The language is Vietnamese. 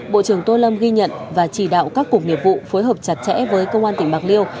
bộ trưởng tô lâm ghi nhận và chỉ đạo các cục nghiệp vụ phối hợp chặt chẽ với công an tỉnh bạc liêu